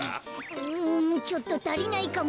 うんちょっとたりないかも。